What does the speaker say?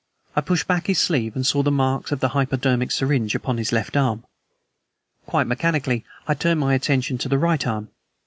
I pushed back his sleeve, and saw the marks of the hypodermic syringe upon his left arm. Quite mechanically I turned my attention to the right arm.